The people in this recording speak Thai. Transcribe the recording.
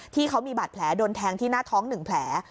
ที่เขามีบาดแผลโดนแทงที่หน้าท้อง๑แผล